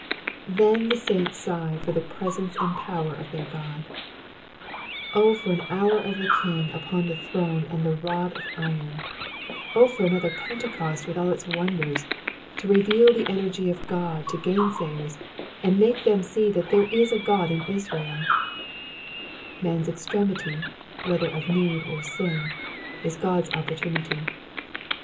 Then the saints sigh for the presence and power of their God : Oh for an hour of the King upon the throne and the rod of iron 1 Oh for another Pentecost with all its wonders, to reveal the energy of God to gain Bayers, and make them see that there is a God in Israeli Man^s extremity, whether of need or sin, is God's opportunity.